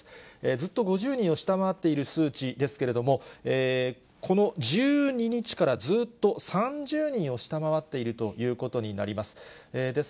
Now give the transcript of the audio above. ずっと５０人を下回っている数値ですけれども、この１２日からずっと、３０人を下回っているということになります。